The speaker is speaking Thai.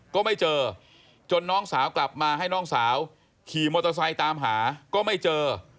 ก็ไม่เจอจนน้องสาวกลับมาให้น้องสาวขี่มอเตอร์ไซค์ตามหาก็ไม่เจอ